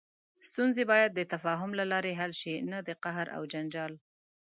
ستونزې باید د تفاهم له لارې حل شي، نه د قهر او جنجال.